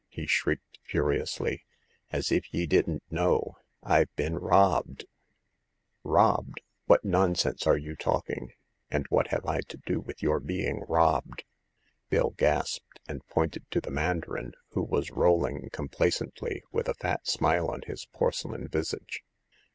he shrieked, furiously— " as if ye didn't know ! I've been robbed !"Robbed ! What nonsense are you talking ? And what have I to do withy OMib^\w%\^V}c>^^V' 1 88 Hagar of the Pawn Shop. Bill gasped, and pointed to the mandarin, who was rolling complacently, with a fat smile on his porcelain visage.